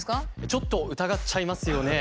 ちょっと疑っちゃいますよね。